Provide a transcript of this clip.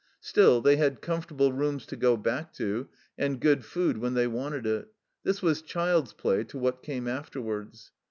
Still, they had com fortable rooms to go back to, and good food when they wanted it ; this was child's play to what came afterwards.